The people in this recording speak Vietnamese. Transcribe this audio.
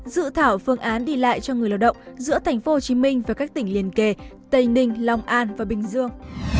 dự thảo phương án đi lại cho người lao động giữa thành phố hồ chí minh và các tỉnh liên kề tây ninh long an và bình dương